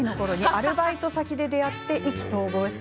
アルバイト先で出会い意気投合。